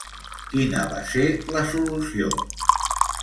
Quina va ser la solució?